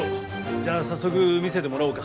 じゃあ早速見せてもらおうか。